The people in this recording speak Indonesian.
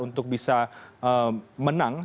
untuk bisa menang